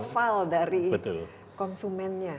jadi ini memang keval dari konsumennya